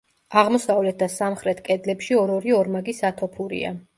აღმოსავლეთ და სამხრეთ კედლებში ორ-ორი ორმაგი სათოფურია.